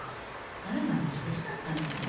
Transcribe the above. ノルマが厳しかったんだよね。